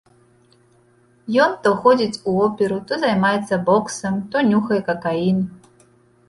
Ён то ходзіць у оперу, то займаецца боксам, то нюхае какаін.